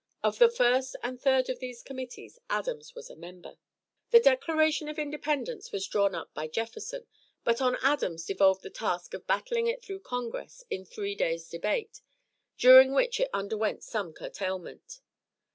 Of the first and third of these committees, Adams was a member. The Declaration of Independence was drawn up by Jefferson, but on Adams devolved the task of battling it through Congress in a three days' debate, during which it underwent some curtailment.